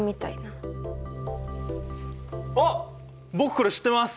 あっ僕これ知ってます。